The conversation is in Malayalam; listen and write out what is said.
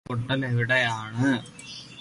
ഉരുൾപൊട്ടൽ എവിടെയാണ്?